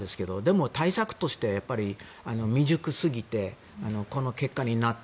も、対策として未熟すぎてこの結果になった。